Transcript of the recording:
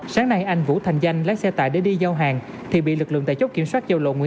sáng nay anh vũ thành danh lái xe tải để đi giao hàng thì bị lực lượng tài chốc kiểm soát châu lộ